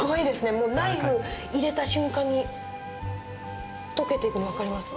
もうナイフ入れた瞬間にほどけていくの分かります。